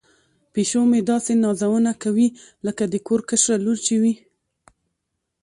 پیشو مې داسې نازونه کوي لکه د کور کشره لور چې وي.